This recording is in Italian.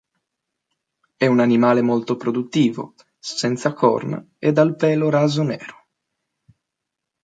È un animale molto produttivo, senza corna e dal pelo raso nero.